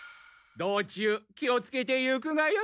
道中気をつけて行くがよい。